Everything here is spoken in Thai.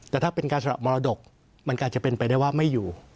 แต่ถ้าเป็นการสละมรดกมันก็อาจจะเป็นไปได้ว่าไม่อยู่